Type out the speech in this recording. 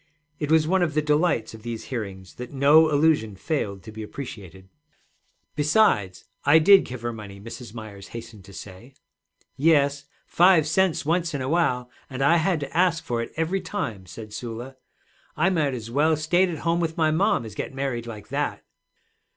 It was one of the delights of these hearings that no allusion failed to be appreciated. 'Besides, I did give her money,' Mrs. Myers hastened to say. 'Yes; five cents once in a while, and I had to ask for it every time,' said Sula. 'I might as well stayed at home with my mom as get married like that.'